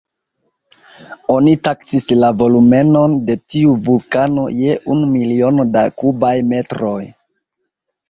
Oni taksis la volumenon de tiu vulkano je unu miliono da kubaj metroj.